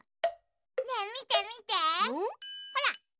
ねえみてみてほら。